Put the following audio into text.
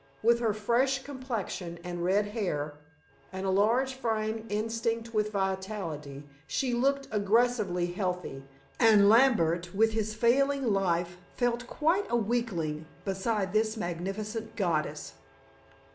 With her fresh complexion and red hair, and a large frame instinct with vitality, she looked aggressively healthy, and Lambert with his failing life felt quite a weakling beside this magnificent goddess.